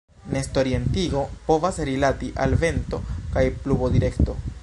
Nestorientigo povas rilati al vento kaj pluvodirekto.